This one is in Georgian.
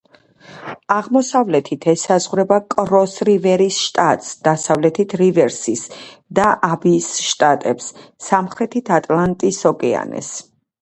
აღმოსავლეთით ესაზღვრება კროს-რივერის შტატს, დასავლეთით რივერსის და აბიის შტატებს, სამხრეთით ატლანტის ოკეანეს.